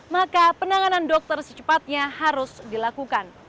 maka penanganan dokter secepatnya harus dilakukan